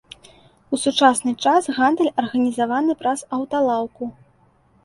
У сучасны час гандаль арганізаваны праз аўталаўку.